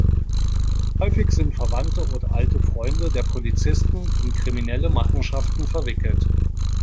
Häufig sind Verwandte oder alte Freunde der Polizisten in kriminelle Machenschaften verwickelt.